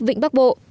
vịnh bắc bộ